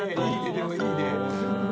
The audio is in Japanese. でもいいね！